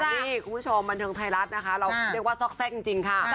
นี่คุณผู้ชมบันเทิงไทยรัฐนะคะเราเรียกว่าซอกแทรกจริงค่ะ